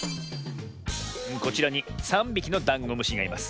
こちらに３びきのダンゴムシがいます。